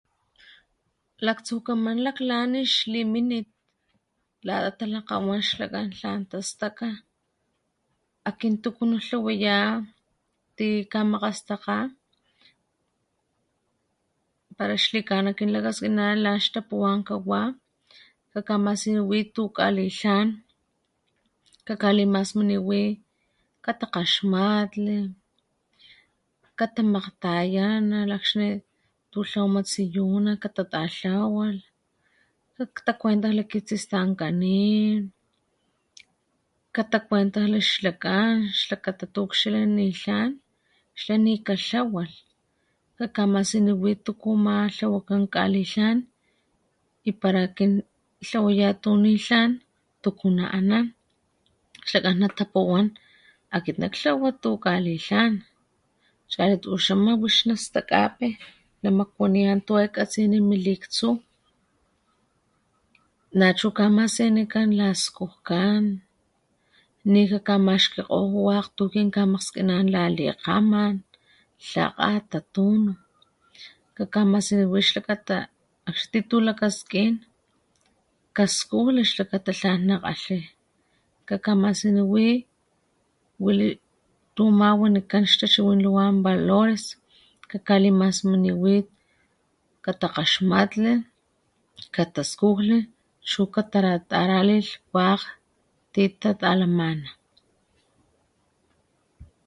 Laktsukaman laklan ix liminit, lata talakgawan xlakgan tlan tastaka akin tuku natlawaya ti kamakgastaka para xlikana akin lakaskina tlan xtapuwan ka wa , kakamasiniwi tu kgatli tlan , kakalimasmaniwi katakgaxmatli, katamakgtayanalh akxni tu tlawama tsiyuna katadalhawalh , katajuentahli kitsistankanin, katakuentajli ixlakgan xlakata tu akxila nitlan xla nikalhawalh kakamasiniwi tuku amatlawakan kgalilhan y para akin nitlawaya tu nitlan tuku na anan, xlakgan natapuwan akit kamatlawa tu kalitlan chali tuxama wix nastakape namakuaneyan tu e katsini min liktsu , nachu kamasinikan las kujkan ni kakamaxkikgow tu kinkamakgskinan la likgaman, lhakgat , tatunu , kakamasiniwi xlakata akxni ti tu lakaskin kaskujli xlakata tlan nakgatli kakamasiniwi wili tu ama xtachiwin luwan wanikan valores , kakalimasmaniwi katakgaxmatli, kataskujli chu ka lataratatalih wakg ti tatalamana